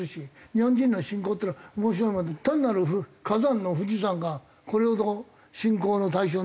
日本人の信仰っていうのは面白いもので単なる火山の富士山がこれほど信仰の対象になったり。